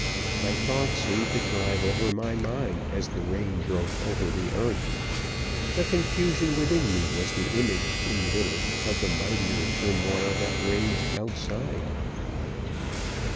My thoughts seemed to drive over my mind as the rain drove over the earth; the confusion within me was the image in little of the mightier turmoil that raged outside.